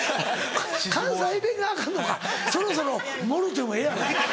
関西弁がアカンのか「そろそろもろうてもええやろ」。